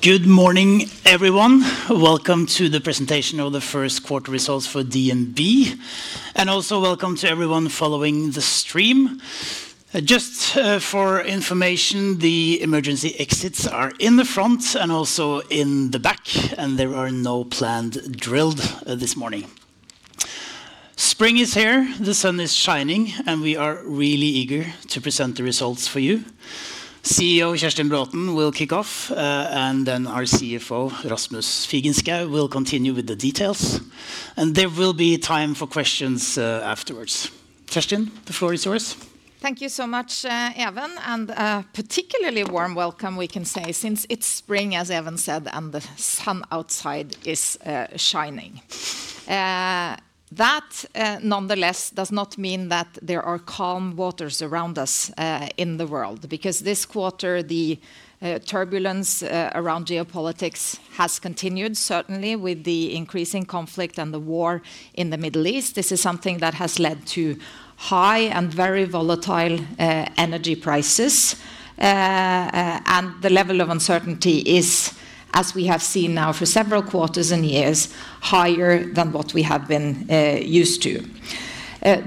Good morning, everyone. Welcome to the presentation of the first quarter results for DNB, and also welcome to everyone following the stream. Just for information, the emergency exits are in the front and also in the back, and there are no planned drill this morning. Spring is here, the sun is shining, and we are really eager to present the results for you. CEO Kjerstin Braathen will kick off, and then our CFO Rasmus Figenschou will continue with the details. There will be time for questions afterwards. Kjerstin, the floor is yours. Thank you so much Even, and particularly warm welcome we can say since it's spring, as Even said, and the sun outside is shining. That, nonetheless, does not mean that there are calm waters around us in the world. Because this quarter, the turbulence around geopolitics has continued, certainly with the increasing conflict and the war in the Middle East. This is something that has led to high and very volatile energy prices. The level of uncertainty is, as we have seen now for several quarters and years, higher than what we have been used to.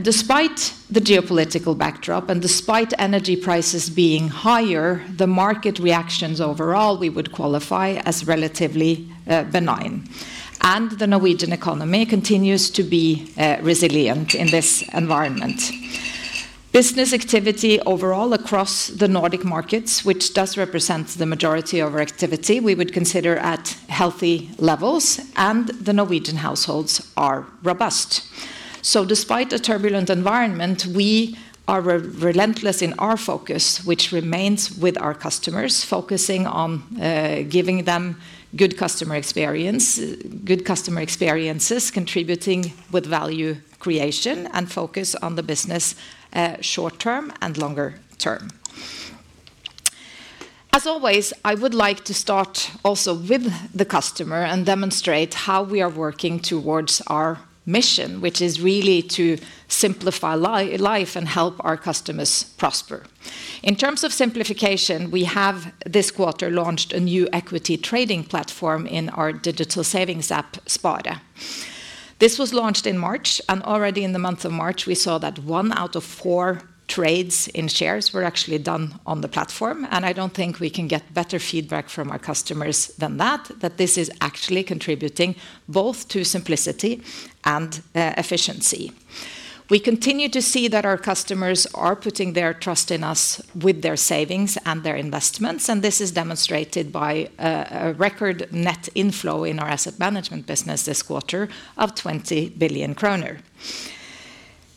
Despite the geopolitical backdrop and despite energy prices being higher, the market reactions overall, we would qualify as relatively benign. The Norwegian economy continues to be resilient in this environment. Business activity overall across the Nordic markets, which does represent the majority of our activity, we would consider at healthy levels, and the Norwegian households are robust. Despite a turbulent environment, we are relentless in our focus, which remains with our customers, focusing on giving them good customer experiences, contributing with value creation, and focus on the business short term and longer term. As always, I would like to start also with the customer and demonstrate how we are working towards our mission, which is really to simplify life and help our customers prosper. In terms of simplification, we have, this quarter, launched a new equity trading platform in our digital savings app, Spare. This was launched in March, and already in the month of March, we saw that 1/4 of trades in shares were actually done on the platform. I don't think we can get better feedback from our customers than that this is actually contributing both to simplicity and efficiency. We continue to see that our customers are putting their trust in us with their savings and their investments, and this is demonstrated by a record net inflow in our asset management business this quarter of 20 billion kroner.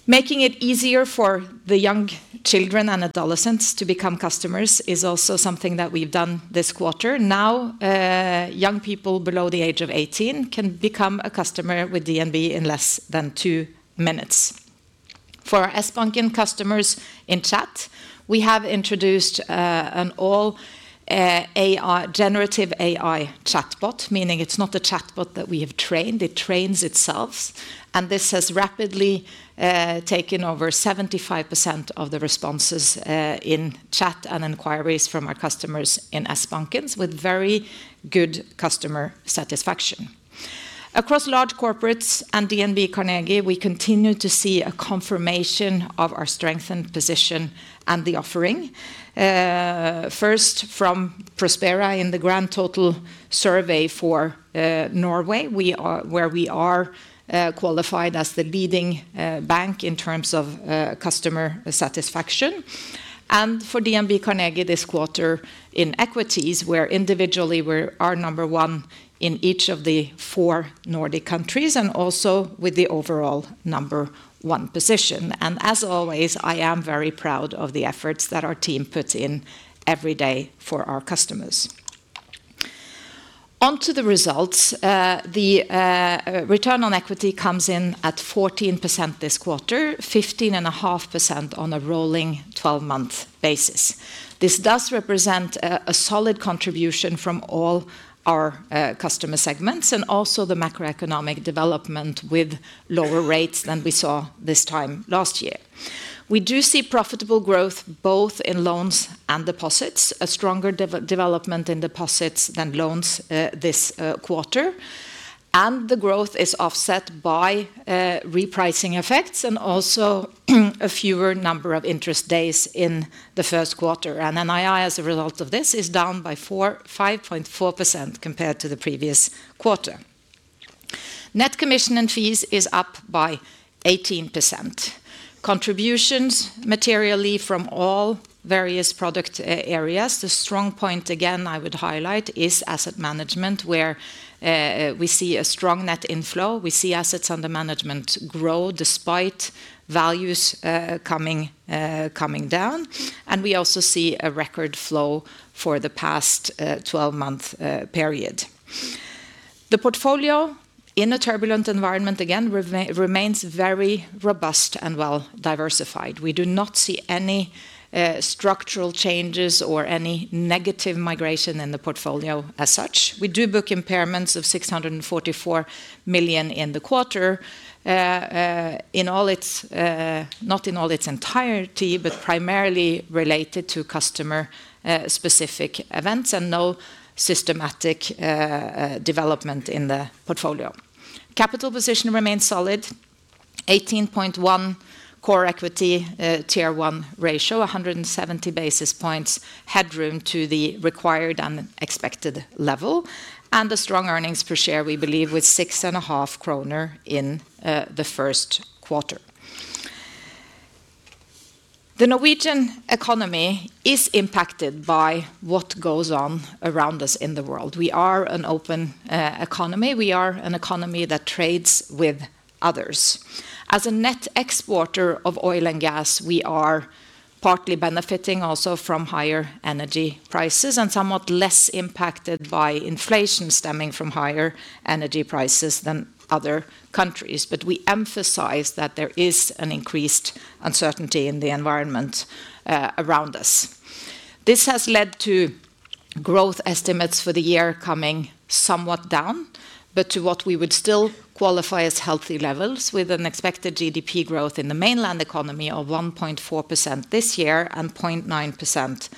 Making it easier for the young children and adolescents to become customers is also something that we've done this quarter. Now, young people below the age of 18 can become a customer with DNB in less than two minutes. For Sbanken customers in chat, we have introduced a generative AI chatbot, meaning it's not a chatbot that we have trained. It trains itself, and this has rapidly taken over 75% of the responses in chat and inquiries from our customers in Sbanken, with very good customer satisfaction. Across large corporates and DNB Carnegie, we continue to see a confirmation of our strengthened position and the offering. First, from Prospera Grand Total survey for Norway, where we are qualified as the leading bank in terms of customer satisfaction. For DNB Carnegie this quarter in equities, where individually, we are number one in each of the four Nordic countries, and also with the overall number one position. As always, I am very proud of the efforts that our team puts in every day for our customers. On to the results. The return on equity comes in at 14% this quarter, 15.5% on a rolling 12-month basis. This does represent a solid contribution from all our customer segments and also the macroeconomic development with lower rates than we saw this time last year. We do see profitable growth both in loans and deposits. A stronger development in deposits than loans this quarter. The growth is offset by repricing effects and also a fewer number of interest days in the first quarter. NII, as a result of this, is down by 5.4% compared to the previous quarter. Net commission and fees is up by 18%. Contributions materially from all various product areas. The strong point, again, I would highlight, is asset management, where we see a strong net inflow. We see assets under management grow despite values coming down. We also see a record flow for the past 12-month period. The portfolio in a turbulent environment, again, remains very robust and well diversified. We do not see any structural changes or any negative migration in the portfolio as such. We do book impairments of 644 million in the quarter. Not in all its entirety, but primarily related to customer specific events and no systematic development in the portfolio. Capital position remains solid 18.1% core Tier 1 ratio, 170 basis points headroom to the required and expected level, and a strong earnings per share, we believe, with 6.5 kroner in the first quarter. The Norwegian economy is impacted by what goes on around us in the world. We are an open economy. We are an economy that trades with others. As a net exporter of oil and gas, we are partly benefiting also from higher energy prices and somewhat less impacted by inflation stemming from higher energy prices than other countries. We emphasize that there is an increased uncertainty in the environment around us. This has led to growth estimates for the year coming somewhat down, but to what we would still qualify as healthy levels, with an expected GDP growth in the mainland economy of 1.4% this year and 0.9%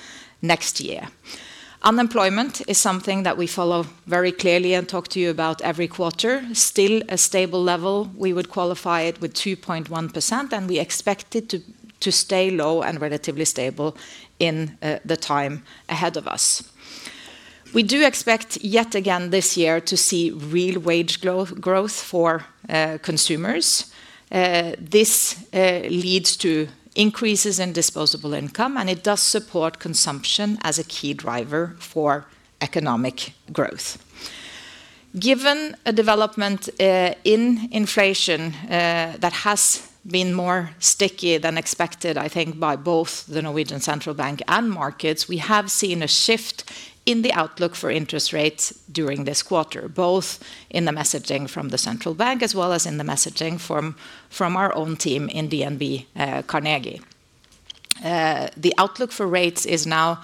next year. Unemployment is something that we follow very clearly and talk to you about every quarter, still a stable level. We would qualify it with 2.1%, and we expect it to stay low and relatively stable in the time ahead of us. We do expect, yet again this year, to see real wage growth for consumers. This leads to increases in disposable income, and it does support consumption as a key driver for economic growth. Given a development in inflation that has been more sticky than expected, I think, by both Norges Bank and markets, we have seen a shift in the outlook for interest rates during this quarter. Both in the messaging from the central bank as well as in the messaging from our own team in DNB Carnegie. The outlook for rates is now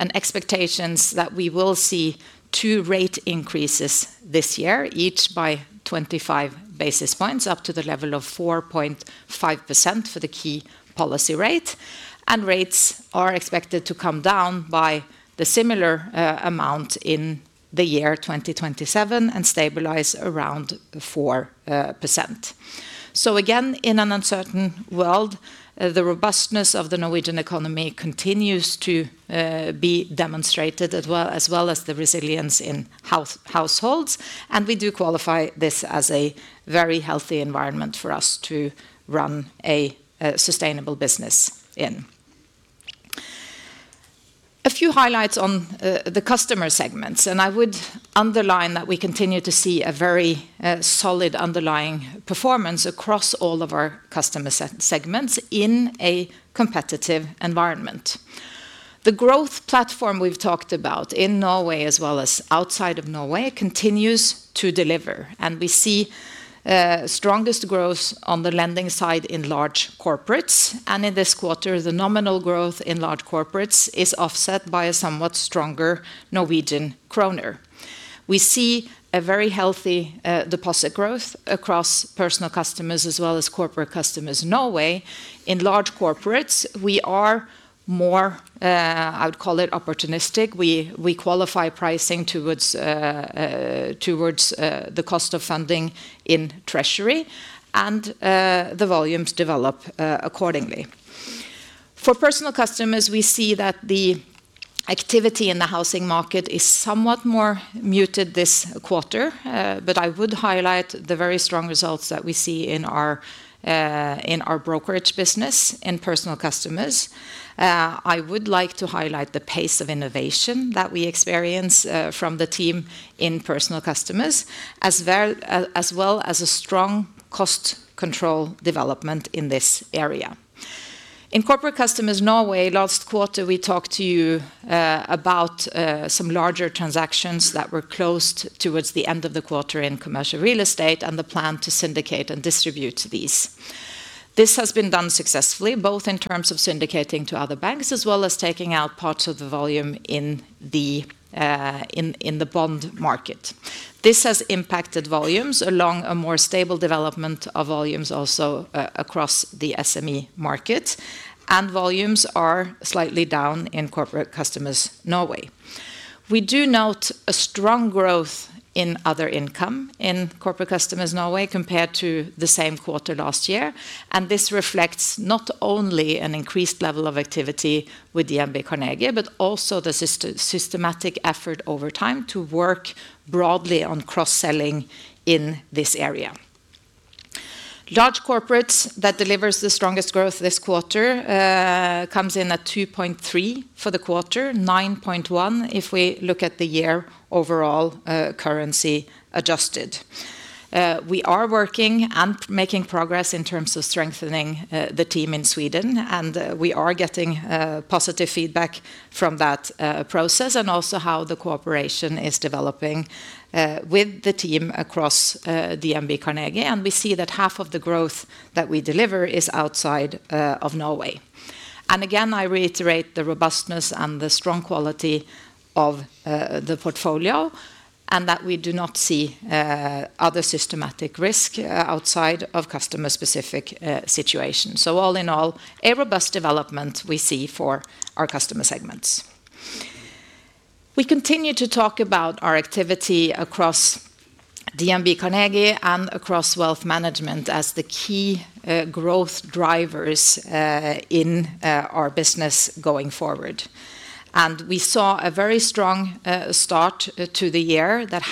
an expectation that we will see two rate increases this year, each by 25 basis points up to the level of 4.5% for the key policy rate, and rates are expected to come down by the similar amount in the year 2027 and stabilize around 4%. Again, in an uncertain world, the robustness of the Norwegian economy continues to be demonstrated, as well as the resilience in households. We do qualify this as a very healthy environment for us to run a sustainable business in. A few highlights on the customer segments, and I would underline that we continue to see a very solid underlying performance across all of our customer segments in a competitive environment. The growth platform we've talked about in Norway as well as outside of Norway continues to deliver, and we see strongest growth on the lending side in large corporates. In this quarter, the nominal growth in large corporates is offset by a somewhat stronger Norwegian kroner. We see a very healthy deposit growth across personal customers as well as corporate customers in Norway. In large corporates, we are more, I would call it opportunistic. We qualify pricing towards the cost of funding in treasury, and the volumes develop accordingly. For personal customers, we see that the activity in the housing market is somewhat more muted this quarter. I would highlight the very strong results that we see in our brokerage business in personal customers. I would like to highlight the pace of innovation that we experience from the team in Personal Customers, as well as a strong cost control development in this area. In Corporate Customers Norway, last quarter, we talked to you about some larger transactions that were closed towards the end of the quarter in commercial real estate and the plan to syndicate and distribute these. This has been done successfully, both in terms of syndicating to other banks as well as taking out parts of the volume in the bond market. This has impacted volumes along a more stable development of volumes also across the SME market, and volumes are slightly down in Corporate Customers Norway. We do note a strong growth in other income in Corporate Customers Norway compared to the same quarter last year. This reflects not only an increased level of activity with DNB Carnegie, but also the systematic effort over time to work broadly on cross-selling in this area. Large corporates that delivers the strongest growth this quarter comes in at 2.3% for the quarter, 9.1% if we look at the year overall currency adjusted. We are working and making progress in terms of strengthening the team in Sweden, and we are getting positive feedback from that process and also how the cooperation is developing with the team across DNB Carnegie. We see that half of the growth that we deliver is outside of Norway. I reiterate the robustness and the strong quality of the portfolio and that we do not see other systematic risk outside of customer-specific situations. All in all, a robust development we see for our customer segments. We continue to talk about our activity across DNB Carnegie, and across wealth management as the key growth drivers in our business going forward. We saw a very strong start to the year that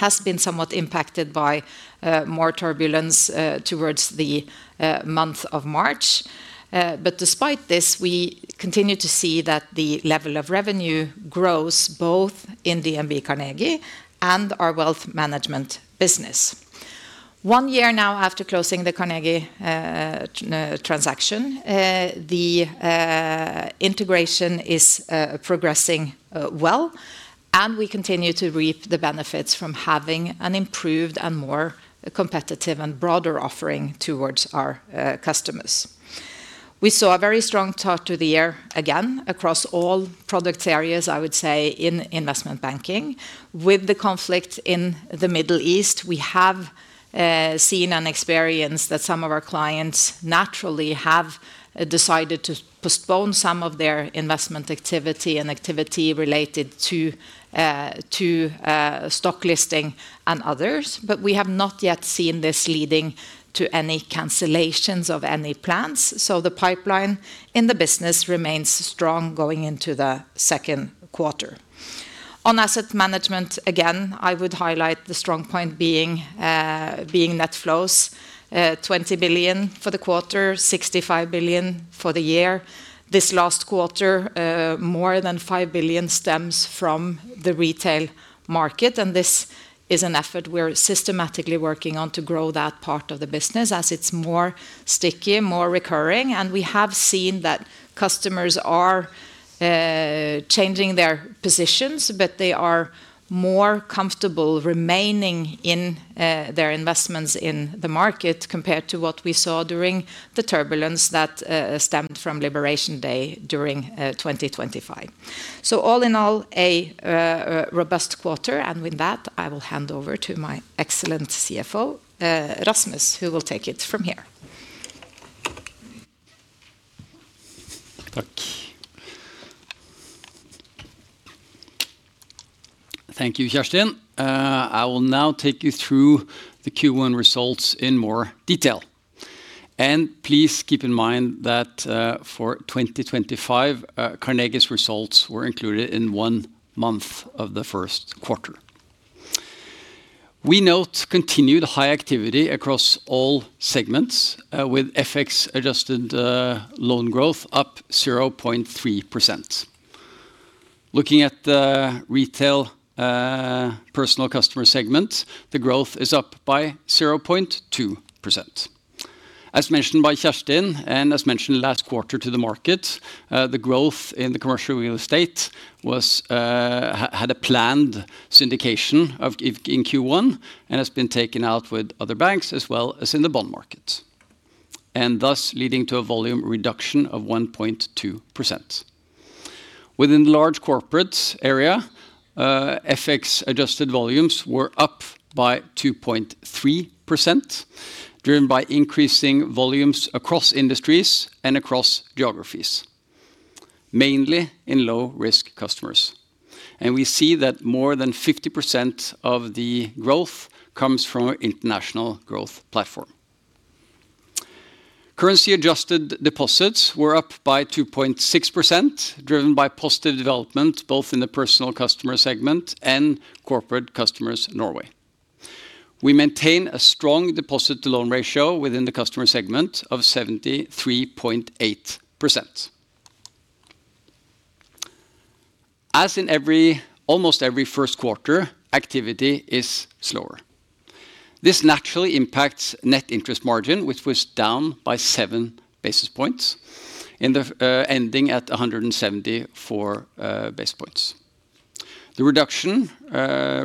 has been somewhat impacted by more turbulence towards the month of March. Despite this, we continue to see that the level of revenue grows both in DNB Carnegie and our wealth management business. One year now after closing the Carnegie transaction, the integration is progressing well, and we continue to reap the benefits from having an improved and more competitive and broader offering towards our customers. We saw a very strong start to the year, again, across all product areas, I would say, in investment banking. With the conflict in the Middle East, we have seen and experienced that some of our clients naturally have decided to postpone some of their investment activity and activity related to stock listing and others. We have not yet seen this leading to any cancellations of any plans. The pipeline in the business remains strong going into the second quarter. On asset management, again, I would highlight the strong point being net flows, 20 billion for the quarter, 65 billion for the year. This last quarter, more than 5 billion stems from the retail market, and this is an effort we're systematically working on to grow that part of the business as it's more sticky, more recurring. We have seen that customers are changing their positions, but they are more comfortable remaining in their investments in the market compared to what we saw during the turbulence that stemmed from Liberation Day during 2025. All in all, a robust quarter. With that, I will hand over to my excellent CFO, Rasmus, who will take it from here. Thank you. Thank you Kjerstin. I will now take you through the Q1 results in more detail. Please keep in mind that for 2024, Carnegie's results were included in one month of the first quarter. We note continued high activity across all segments, with FX-adjusted loan growth up 0.3%. Looking at the retail personal customer segment, the growth is up by 0.2%. As mentioned by Kjerstin, and as mentioned last quarter to the market, the growth in the commercial real estate had a planned syndication in Q1 and has been taken out with other banks as well as in the bond market, and thus leading to a volume reduction of 1.2%. Within the large corporates area, FX-adjusted volumes were up by 2.3%, driven by increasing volumes across industries and across geographies, mainly in low-risk customers. We see that more than 50% of the growth comes from our international growth platform. Currency adjusted deposits were up by 2.6%, driven by positive development both in the personal customer segment and corporate customers Norway. We maintain a strong deposit to loan ratio within the customer segment of 73.8%. As in almost every first quarter, activity is slower. This naturally impacts net interest margin, which was down by seven basis points, ending at 174 basis points. The reduction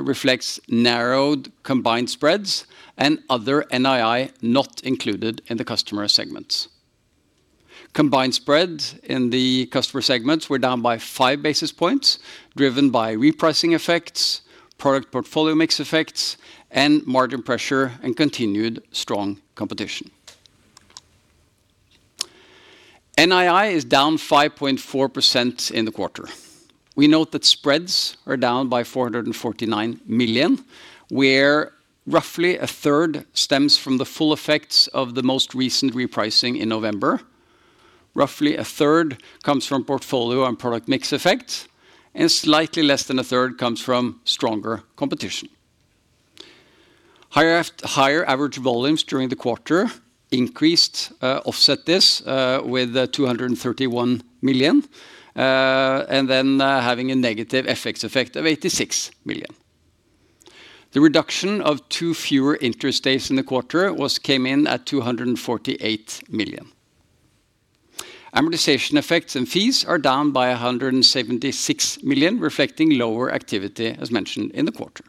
reflects narrowed combined spreads and other NII not included in the customer segments. Combined spreads in the customer segments were down by five basis points, driven by repricing effects, product portfolio mix effects, and margin pressure and continued strong competition. NII is down 5.4% in the quarter. We note that spreads are down by 449 million, where roughly a third stems from the full effects of the most recent repricing in November. Roughly a third comes from portfolio and product mix effect, and slightly less than a third comes from stronger competition. Higher average volumes during the quarter increased, offset this with 231 million, and then having a negative FX effect of 86 million. The reduction of two fewer interest days in the quarter came in at 248 million. Amortization effects and fees are down by 176 million, reflecting lower activity as mentioned in the quarter.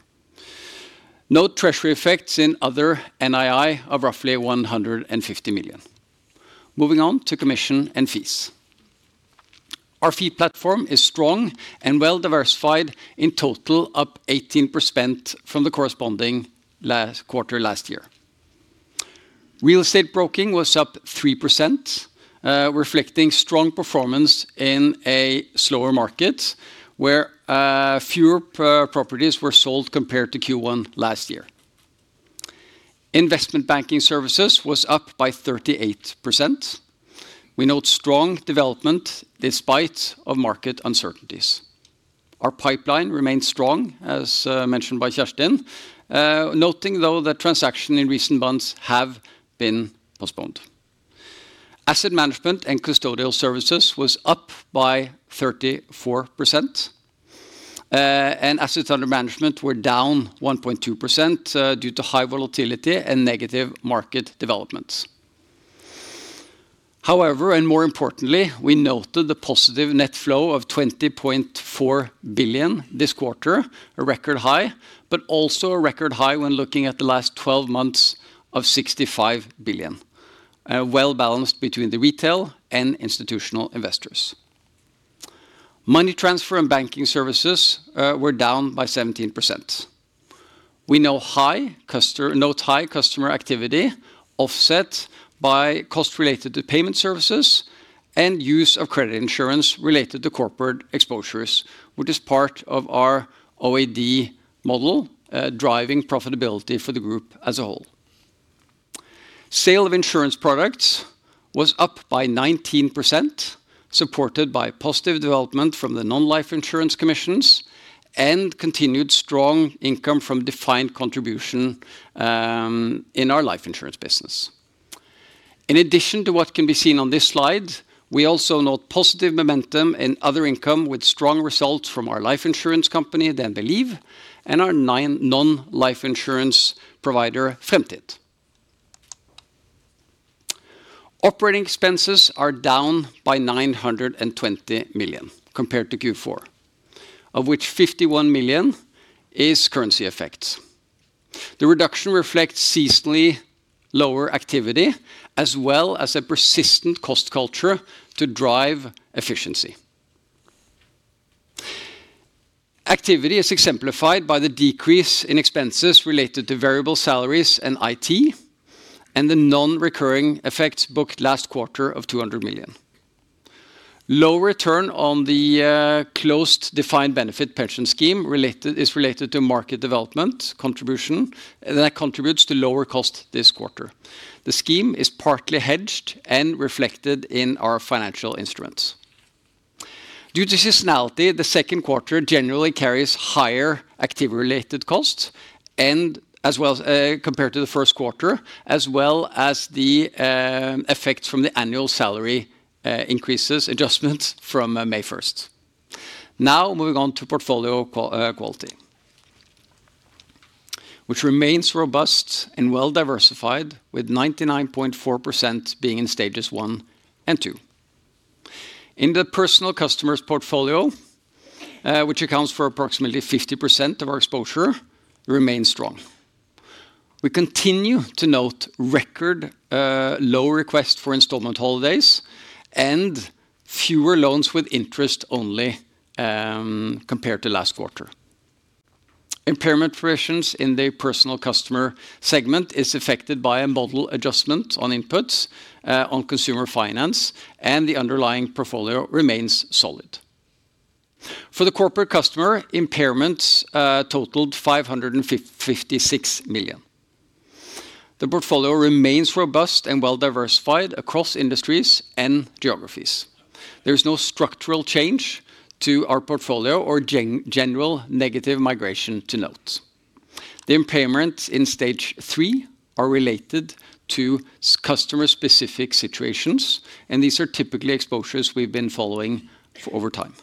Note treasury effects in other NII of roughly 150 million. Moving on to commission and fees. Our fee platform is strong and well diversified, in total up 18% from the corresponding quarter last year. Real estate broking was up 3%, reflecting strong performance in a slower market where fewer properties were sold compared to Q1 last year. Investment banking services was up by 38%. We note strong development despite of market uncertainties. Our pipeline remains strong, as mentioned by Kjerstin, noting, though, that transactions in recent months have been postponed. Asset management and custodial services was up by 34%, and assets under management were down 1.2% due to high volatility and negative market developments. However, and more importantly, we noted the positive net flow of 20.4 billion this quarter, a record high, but also a record high when looking at the last 12 months of 65 billion. Well-balanced between the retail and institutional investors. Money transfer and banking services were down by 17%. We note high customer activity offset by costs related to payment services and use of credit insurance related to corporate exposures, which is part of our OAD model, driving profitability for the group as a whole. Sales of insurance products was up by 19%, supported by positive development from the non-life insurance commissions and continued strong income from defined contribution in our life insurance business. In addition to what can be seen on this slide, we also note positive momentum in other income with strong results from our life insurance company, DNB Liv, and our non-life insurance provider, Fremtind. Operating expenses are down by 920 million compared to Q4, of which 51 million is currency effects. The reduction reflects seasonally lower activity, as well as a persistent cost culture to drive efficiency. Activity is exemplified by the decrease in expenses related to variable salaries and IT, and the non-recurring effects booked last quarter of 200 million. Low return on the closed defined benefit pension scheme is related to market developments, which contributes to lower costs this quarter. The scheme is partly hedged and reflected in our financial instruments. Due to seasonality, the second quarter generally carries higher activity-related costs compared to the first quarter, as well as the effects from the annual salary increase adjustments from May 1st. Now, moving on to portfolio quality, which remains robust and well diversified, with 99.4% being in stages one and two. In the personal customers portfolio, which accounts for approximately 50% of our exposure, remains strong. We continue to note record-low requests for installment holidays and fewer loans with interest-only compared to last quarter. Impairment provisions in the personal customer segment is affected by a model adjustment on inputs on consumer finance, and the underlying portfolio remains solid. For the corporate customer, impairments totaled 556 million. The portfolio remains robust and well diversified across industries and geographies. There is no structural change to our portfolio or general negative migration to note. The impairments in stage three are related to customer specific situations, and these are typically exposures we've been following over time.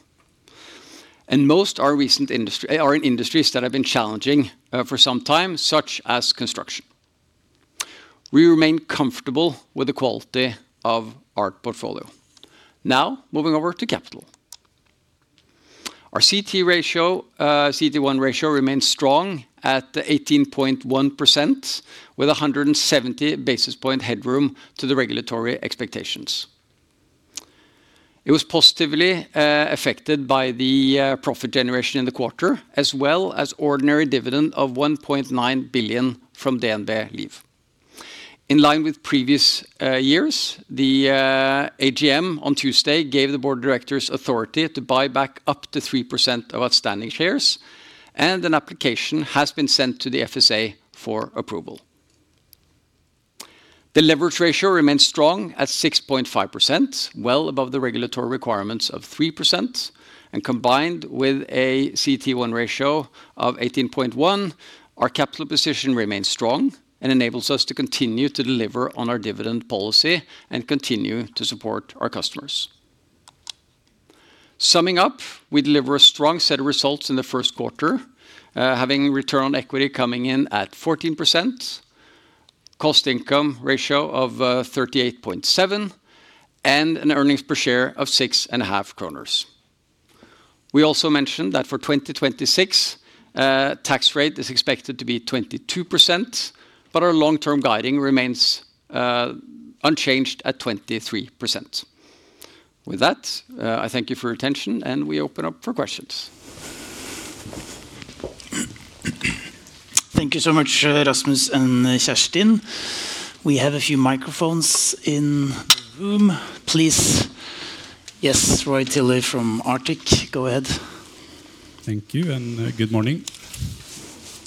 Most are in industries that have been challenging for some time, such as construction. We remain comfortable with the quality of our portfolio. Now, moving over to capital. Our CT1 ratio remains strong at 18.1%, with 170 basis points headroom to the regulatory expectations. It was positively affected by the profit generation in the quarter, as well as ordinary dividend of 1.9 billion from DNB Liv. In line with previous years, the AGM on Tuesday gave the board of directors authority to buy back up to 3% of outstanding shares, and an application has been sent to the FSA for approval. The leverage ratio remains strong at 6.5%, well above the regulatory requirements of 3%, and combined with a CT1 ratio of 18.1%, our capital position remains strong and enables us to continue to deliver on our dividend policy and continue to support our customers. Summing up, we deliver a strong set of results in the first quarter, having return on equity coming in at 14%, cost income ratio of 38.7%, and an earnings per share of six and a half kroners. We also mentioned that for 2026, tax rate is expected to be 22%, but our long-term guidance remains unchanged at 23%. With that, I thank you for your attention, and we open up for questions. Thank you so much, Rasmus and Kjerstin. We have a few microphones in the room. Please. Yes, Roy Tilley from Arctic Securities, go ahead. Thank you and good morning.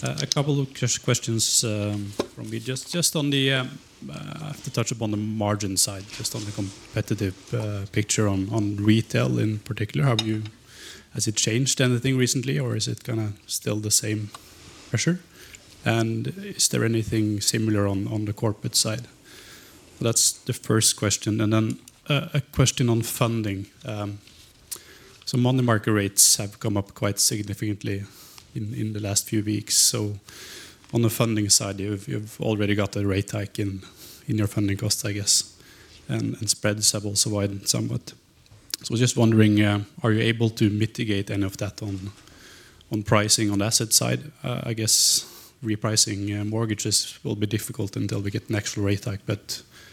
A couple of questions from me. Just to touch upon the margin side, just on the competitive picture on retail in particular, has it changed anything recently, or is it still the same pressure? Is there anything similar on the corporate side? That's the first question. Then a question on funding. Money market rates have come up quite significantly in the last few weeks. On the funding side, you've already got a rate hike in your funding cost, I guess, and spreads have also widened somewhat. I was just wondering, are you able to mitigate any of that on pricing on the asset side? I guess repricing mortgages will be difficult until we get an actual rate hike.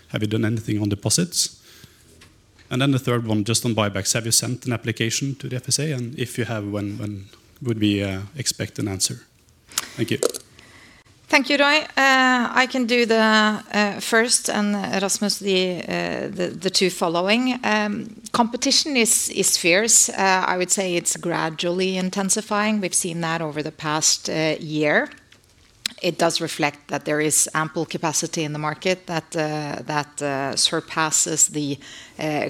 Have you done anything on deposits? Then the third one, just on buybacks. Have you sent an application to the FSA? If you have, when would we expect an answer? Thank you. Thank you Roy. I can do the first, and Rasmus, the two following. Competition is fierce. I would say it's gradually intensifying. We've seen that over the past year. It does reflect that there is ample capacity in the market that surpasses the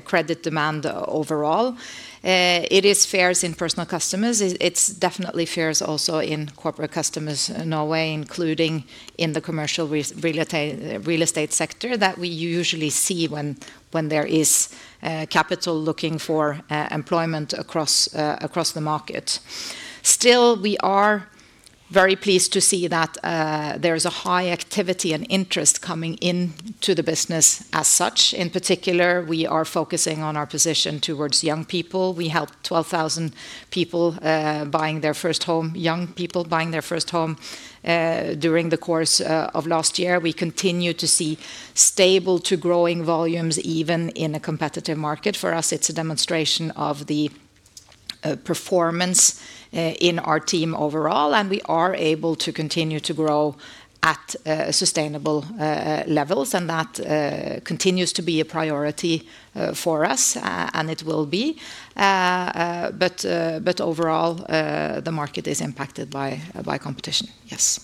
credit demand overall. It is fierce in personal customers. It's definitely fierce also in corporate customers in Norway, including in the commercial real estate sector that we usually see when there is capital looking for employment across the market. Still, we are very pleased to see that there is a high activity and interest coming into the business as such. In particular, we are focusing on our position towards young people. We helped 12,000 young people buying their first home during the course of last year. We continue to see stable to growing volumes even in a competitive market. For us, it's a demonstration of the performance in our team overall, and we are able to continue to grow at sustainable levels, and that continues to be a priority for us, and it will be. Overall, the market is impacted by competition. Yes.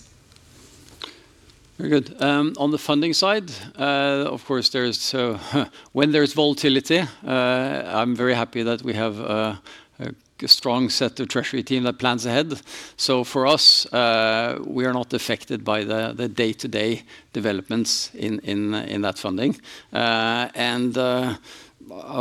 Very good. On the funding side, of course, when there's volatility, I'm very happy that we have a strong set of treasury team that plans ahead. For us, we are not affected by the day-to-day developments in that funding. I'll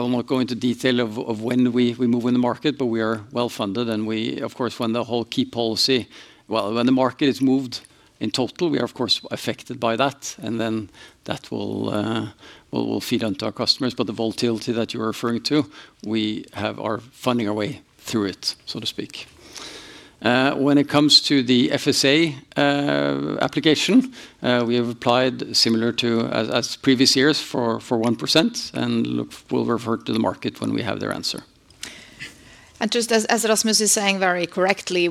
not go into detail of when we move in the market, but we are well funded, and we, of course, when the whole key policy, well, when the market is moved in total, we are of course affected by that. Then that will feed on to our customers. The volatility that you're referring to, we are finding our way through it, so to speak. When it comes to the FSA application, we have applied similar to as previous years for 1%, and we'll refer to the market when we have their answer. Just as Rasmus is saying very correctly,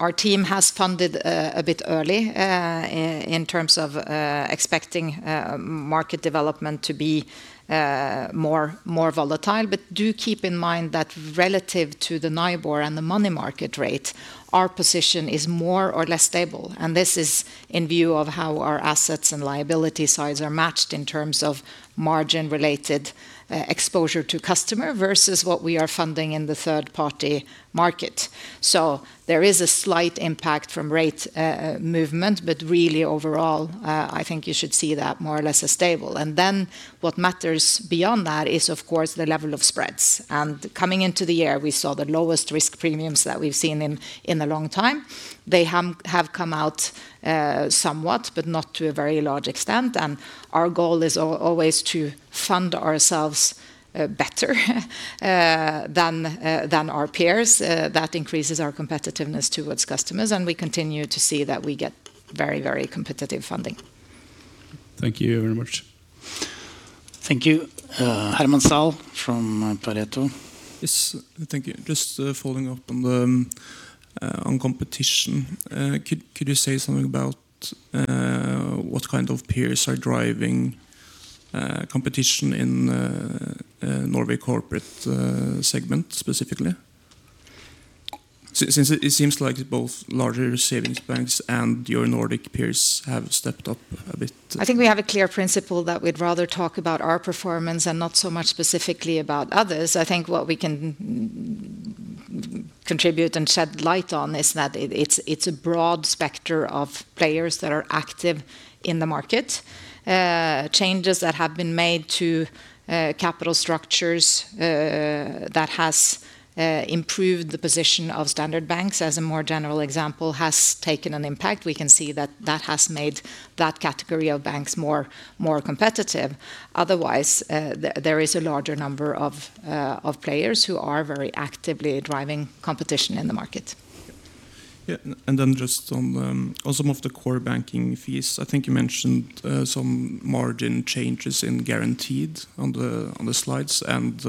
our team has funded a bit early, in terms of expecting market development to be more volatile. Do keep in mind that relative to the NIBOR and the money market rate, our position is more or less stable. This is in view of how our assets and liability sides are matched in terms of margin related exposure to customer versus what we are funding in the third party market. There is a slight impact from rate movement, but really overall, I think you should see that more or less as stable. Then what matters beyond that is of course, the level of spreads. Coming into the year, we saw the lowest risk premiums that we've seen in a long time. They have come out somewhat, but not to a very large extent. Our goal is always to fund ourselves better than our peers. That increases our competitiveness toward customers, and we continue to see that we get very competitive funding. Thank you very much. Thank you. Herman Zahl from Pareto Securities. Yes. Thank you. Just following up on competition. Could you say something about what kind of peers are driving competition in Norway corporate segment specifically? Since it seems like both larger savings banks and your Nordic peers have stepped up a bit. I think we have a clear principle that we'd rather talk about our performance and not so much specifically about others. I think what we can contribute and shed light on is that it's a broad spectrum of players that are active in the market. Changes that have been made to capital structures that has improved the position of standard banks as a more general example, has taken an impact. We can see that has made that category of banks more competitive. Otherwise, there is a larger number of players who are very actively driving competition in the market. Yeah. Just on some of the core banking fees, I think you mentioned some margin changes in guarantees on the slides and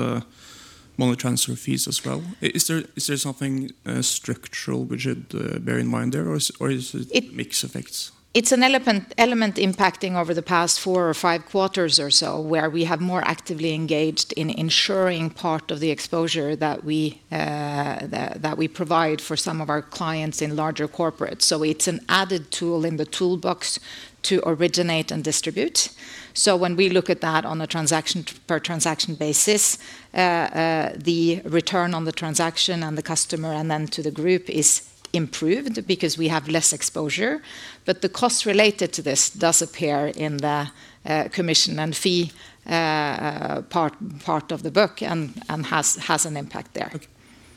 money transfer fees as well. Is there something structural we should bear in mind there, or is it mixed effects? It's an element impacting over the past four or five quarters or so, where we have more actively engaged in ensuring part of the exposure that we provide for some of our clients in larger corporates. It's an added tool in the toolbox to originate and distribute. When we look at that on a per transaction basis, the return on the transaction and the customer, and then to the group is improved because we have less exposure, but the cost related to this does appear in the commission and fee part of the book and has an impact there. Okay.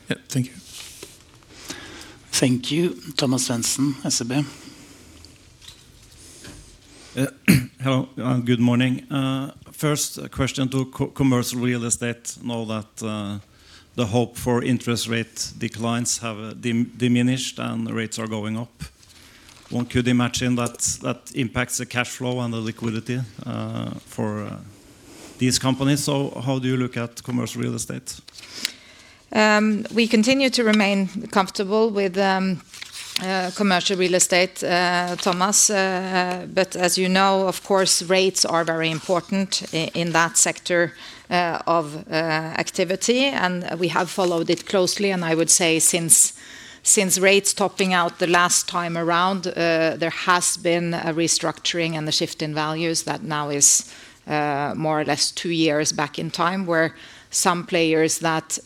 Yeah, thank you. Thank you. Thomas Svendsen, SEB. Hello, good morning. First question to commercial real estate. Now that the hope for interest rate declines have diminished and the rates are going up, one could imagine that impacts the cash flow and the liquidity for these companies. How do you look at commercial real estate? We continue to remain comfortable with commercial real estate, Thomas. As you know, of course, rates are very important in that sector of activity, and we have followed it closely. I would say since rates topping out the last time around, there has been a restructuring and a shift in values that now is more or less two years back in time, where some players that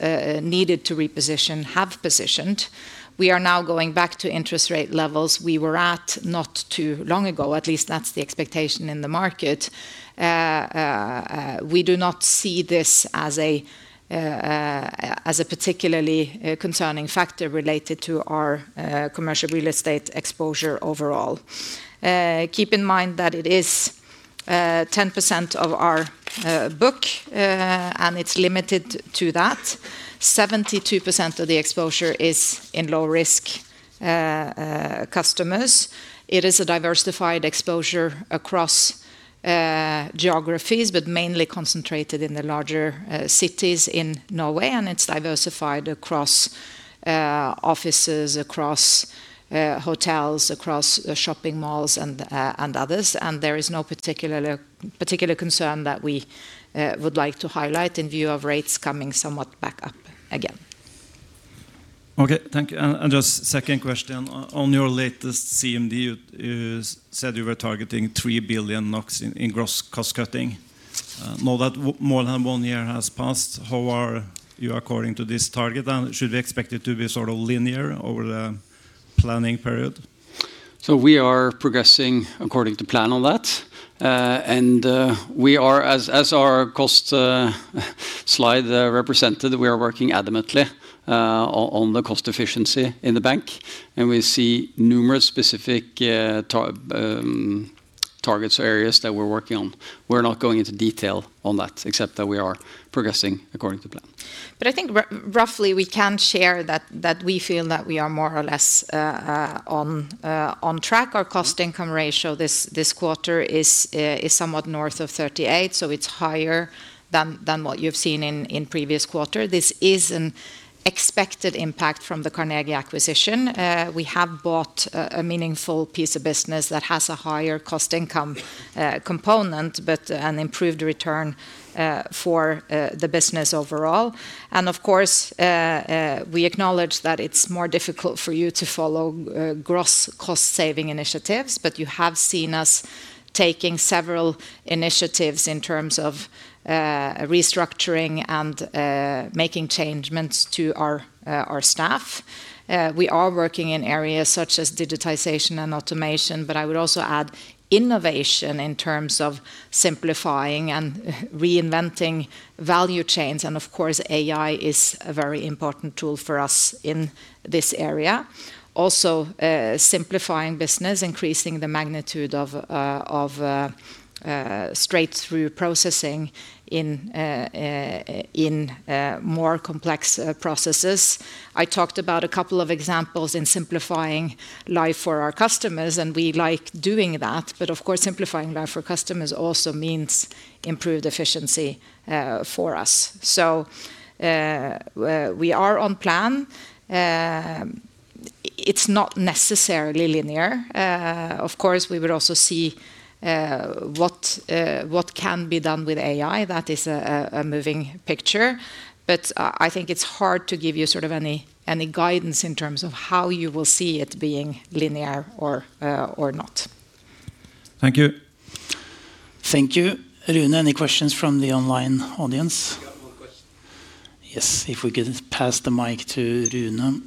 needed to reposition have positioned. We are now going back to interest rate levels we were at not too long ago, at least that's the expectation in the market. We do not see this as a particularly concerning factor related to our commercial real estate exposure overall. Keep in mind that it is 10% of our book, and it's limited to that. 72% of the exposure is in low-risk customers. It is a diversified exposure across geographies, but mainly concentrated in the larger cities in Norway, and it's diversified across offices, across hotels, across shopping malls, and others. There is no particular concern that we would like to highlight in view of rates coming somewhat back up again. Okay. Thank you. Just second question. On your latest CMD, you said you were targeting 3 billion NOK in gross cost cutting. Now that more than 1 year has passed, how are you according to this target, and should we expect it to be linear over the planning period? We are progressing according to plan on that. As our cost slide represented, we are working adamantly on the cost efficiency in the bank, and we see numerous specific target areas that we're working on. We're not going into detail on that except that we are progressing according to plan. I think roughly we can share that we feel that we are more or less on track. Our cost income ratio this quarter is somewhat north of 38%, so it's higher than what you've seen in previous quarter. This is an expected impact from the Carnegie acquisition. We have bought a meaningful piece of business that has a higher cost income component, but an improved return for the business overall. Of course, we acknowledge that it's more difficult for you to follow gross cost saving initiatives. You have seen us taking several initiatives in terms of restructuring and making changes to our staff. We are working in areas such as digitization and automation, but I would also add innovation in terms of simplifying and reinventing value chains, and of course, AI is a very important tool for us in this area. Also, simplifying business, increasing the magnitude of straight-through processing in more complex processes. I talked about a couple of examples in simplifying life for our customers, and we like doing that. Of course, simplifying life for customers also means improved efficiency for us. We are on plan. It's not necessarily linear. Of course, we will also see what can be done with AI. That is a moving picture, but I think it's hard to give you any guidance in terms of how you will see it being linear or not. Thank you. Thank you. Rune, any questions from the online audience? We got one question. Yes. If we could pass the mic to Rune.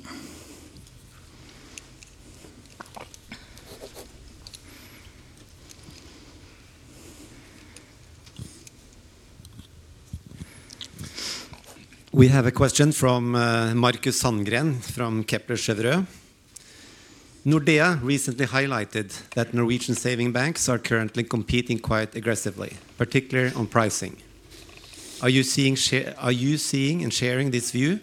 We have a question from Markus Sandgren from Kepler Cheuvreux. Nordea recently highlighted that Norwegian savings banks are currently competing quite aggressively, particularly on pricing. Are you seeing and sharing this view?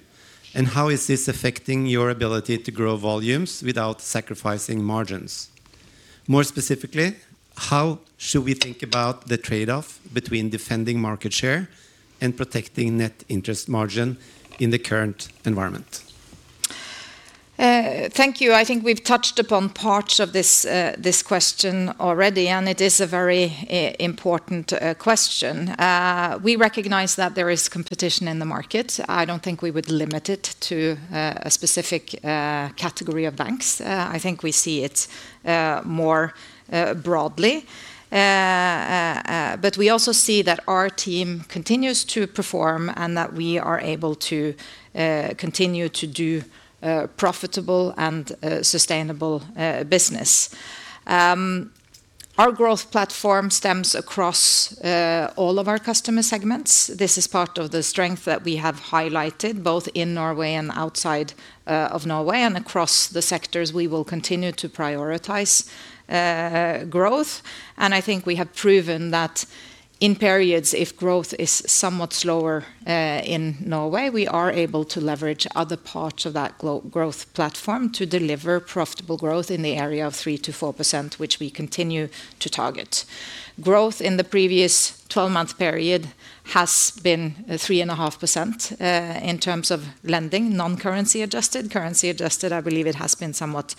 How is this affecting your ability to grow volumes without sacrificing margins? More specifically, how should we think about the trade-off between defending market share and protecting net interest margin in the current environment? Thank you. I think we've touched upon parts of this question already, and it is a very important question. We recognize that there is competition in the market. I don't think we would limit it to a specific category of banks. I think we see it more broadly. But we also see that our team continues to perform and that we are able to continue to do profitable and sustainable business. Our growth platform stems across all of our customer segments. This is part of the strength that we have highlighted, both in Norway and outside of Norway and across the sectors, we will continue to prioritize growth. I think we have proven that in periods, if growth is somewhat slower in Norway, we are able to leverage other parts of that growth platform to deliver profitable growth in the area of 3%-4%, which we continue to target. Growth in the previous 12-month period has been 3.5% in terms of lending, non-currency adjusted. Currency adjusted, I believe it has been somewhat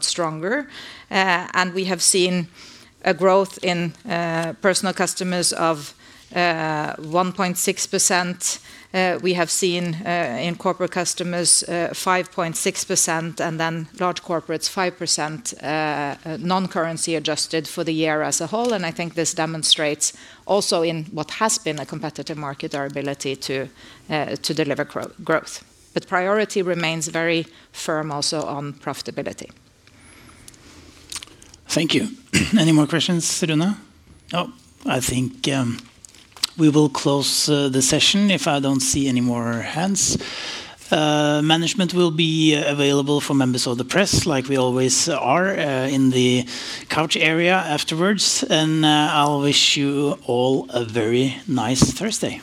stronger. We have seen a growth in personal customers of 1.6%. We have seen in corporate customers, 5.6%, and then large corporates 5%, non-currency adjusted for the year as a whole. I think this demonstrates also in what has been a competitive market, our ability to deliver growth. Priority remains very firm also on profitability. Thank you. Any more questions, Serena? No. I think we will close the session if I don't see any more hands. Management will be available for members of the press like we always are in the couch area afterwards. I'll wish you all a very nice Thursday.